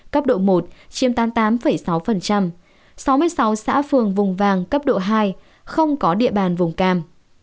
cấp độ một chiếm tám mươi tám sáu mươi sáu xã phường vùng vàng cấp độ hai không có địa bàn vùng cam